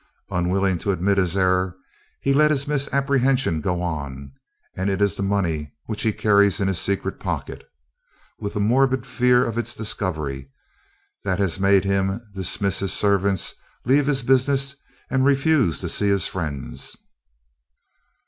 Unwilling to admit this error, he lets the misapprehension go on, and it is the money which he carries in his secret pocket, with a morbid fear of its discovery, that has made him dismiss his servants, leave his business, and refuse to see his friends."